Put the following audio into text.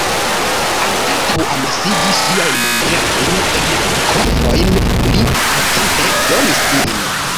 Anstataŭ amasigi siajn monerojn en kofrojn, li procente-donis ilin.